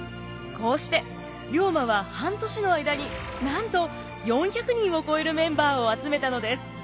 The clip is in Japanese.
こうして龍馬は半年の間になんと４００人を超えるメンバーを集めたのです。